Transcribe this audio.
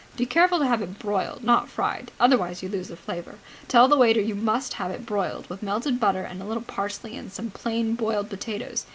Be careful to have it broiled, not fried. Otherwise you lose the flavour. Tell the waiter you must have it broiled, with melted butter and a little parsley and some plain boiled potatoes.